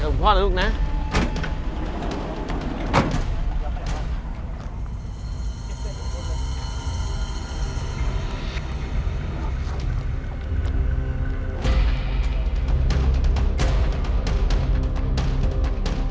หนูจะหาพ่อหนูจะหาแม่